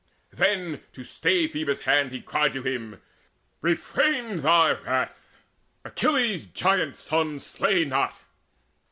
Then, to stay Phoebus' hand, he cried to him: "Refrain thy wrath: Achilles' giant son Slay not!